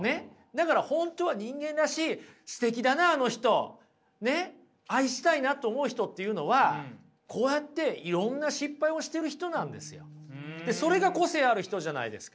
だから本当は人間らしいすてきだなあの人愛したいなと思う人っていうのはこうやっていろんな失敗をしてる人なんですよ。それが個性ある人じゃないですか。